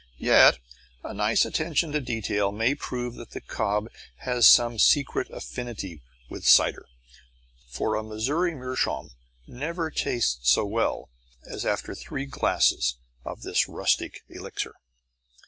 Yet a nice attention to detail may prove that the cob has some secret affinity with cider, for a Missouri meerschaum never tastes so well as after three glasses of this rustic elixir.